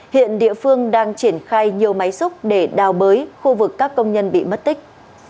hiện địa phương đang triển khai nhiều máy xúc để đào bới khu vực các công nhân bị mất tích